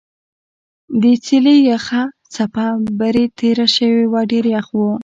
د څېلې یخه څپه برې تېره شوې وه ډېر یخ و.